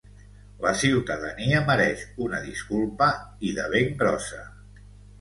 La ciutadania mereix una disculpa i de ben grossa.